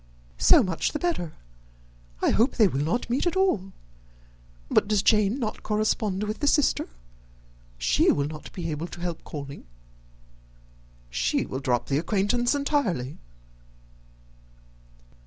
"So much the better. I hope they will not meet at all. But does not Jane correspond with his sister? She will not be able to help calling." "She will drop the acquaintance entirely."